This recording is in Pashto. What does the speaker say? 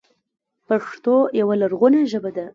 پښتو يوه لرغونې ژبه ده.